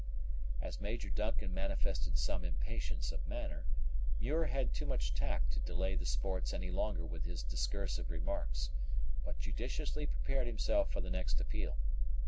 As Major Duncan manifested some impatience of manner, Muir had too much tact to delay the sports any longer with his discursive remarks, but judiciously prepared himself for the next appeal.